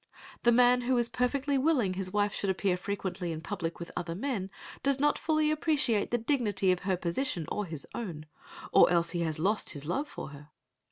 The man who is perfectly willing his wife should appear frequently in public with other men does not fully appreciate the dignity of her position or his own, or else he has lost his love for her.